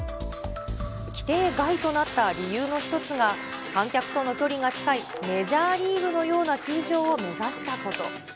規定外となった理由の一つが、観客との距離が近いメジャーリーグのような球場を目指したこと。